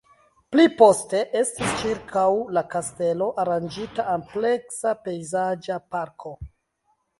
Pli poste estis ĉirkaŭ la kastelo aranĝita ampleksa pejzaĝa parko.